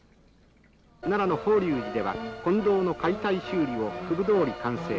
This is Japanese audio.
奈良の法隆寺では本堂の解体修理が９分どおり完成。